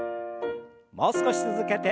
もう少し続けて。